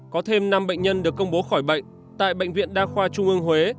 có thêm năm bệnh nhân được công bố khỏi bệnh tại bệnh viện đa khoa trung ương huế